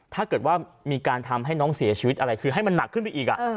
ถ้าเกิดว่ามีการทำให้น้องเสียชีวิตอะไรคือให้มันหนักขึ้นไปอีก